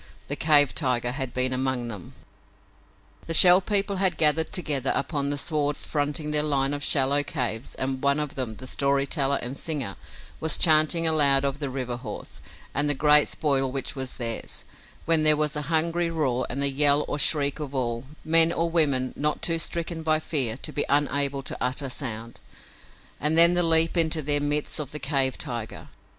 The cave tiger had been among them! The Shell People had gathered together upon the sward fronting their line of shallow caves and one of them, the story teller and singer, was chanting aloud of the river horse and the great spoil which was theirs, when there was a hungry roar and the yell or shriek of all, men or women not too stricken by fear to be unable to utter sound, and then the leap into their midst of the cave tiger!